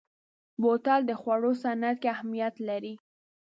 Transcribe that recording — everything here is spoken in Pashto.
بوتل د خوړو صنعت کې اهمیت لري.